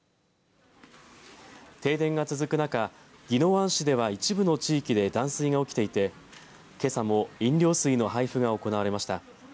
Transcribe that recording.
停電が続く中、宜野湾市では一部の地域で断水が起きていてけさも飲料水の配布が行われました。